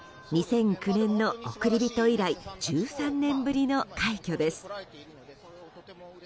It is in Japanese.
２００９年の「おくりびと」以来１３年ぶりの快挙です。